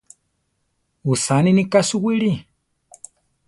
Usaninika suwire.